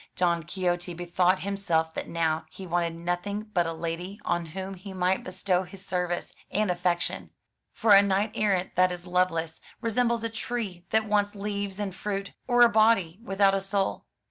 Don Quixote bethought himself that now he wanted nothing but a lady on whom he might bestow his service, and affection. For a knight errant that is loveless resembles a tree that wants leaves and fruit, or a body without a soul.